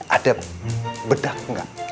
ada bedak gak